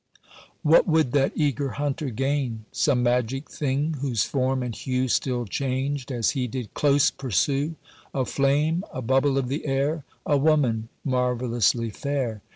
What would that eager hunter gain? Some magic thing whose form and hue Still changed as he did close pursue— A flame, a bubble of the air? A woman, marvellously fair?